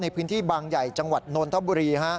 ในพื้นที่บางใหญ่จังหวัดนนทบุรี